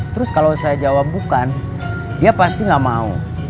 terus kalau saya jawab bukan dia pasti gak mau